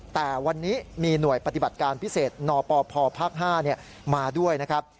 แต่วันนี้มีหน่วยปฏิบัติการพิเศษนปพภาค๕มาด้วยนะครับ